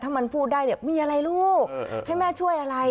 ถ้ามันพูดได้เนี่ยมีอะไรลูกให้แม่ช่วยอะไร